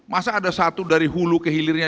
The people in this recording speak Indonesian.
masa ada satu dari hulu kehilirnya